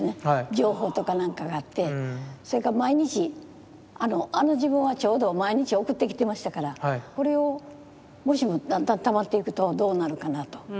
情報とか何かがあってそれから毎日あの時分はちょうど毎日送ってきてましたからこれをもしもだんだんたまっていくとどうなるかなと。